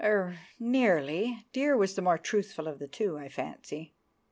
— "Er—nearly——" (Dear was the more truthful of the two, I fancy.)